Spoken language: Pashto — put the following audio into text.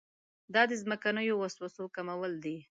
دا د ځمکنیو وسوسو کمول دي.